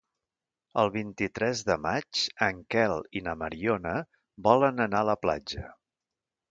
El vint-i-tres de maig en Quel i na Mariona volen anar a la platja.